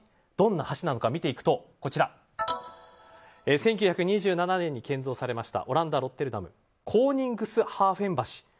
どんな橋なのか見ていくと１９２７年に建造されましたオランダ・ロッテルダムコーニングスハーフェン橋。